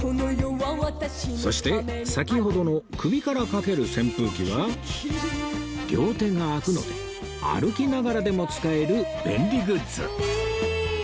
そして先ほどの首からかける扇風機は両手が空くので歩きながらでも使える便利グッズ